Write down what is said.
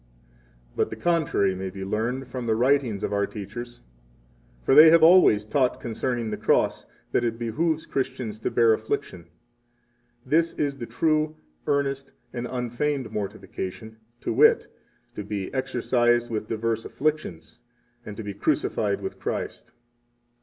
But the contrary may be learned 31 from the writings of our teachers. For they have always taught concerning the cross that it behooves Christians to bear afflictions. This is the true, 32 earnest, and unfeigned mortification, to wit, to be exercised with divers afflictions, and to be crucified with Christ.